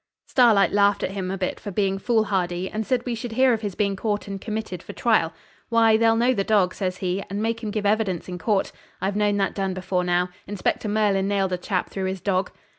Starlight laughed at him a bit for being foolhardy, and said we should hear of his being caught and committed for trial. 'Why, they'll know the dog,' says he, 'and make him give evidence in court. I've known that done before now. Inspector Merlin nailed a chap through his dog.'